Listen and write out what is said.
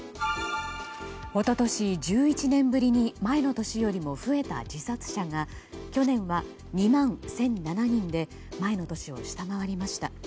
おととし、１１年ぶりに前の年よりも増えた自殺者が去年は２万１００７人で前の年を下回りました。